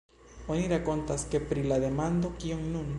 Oni rakontas, ke pri la demando "Kion nun?